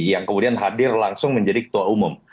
yang kemudian hadir langsung menjadi ketua umum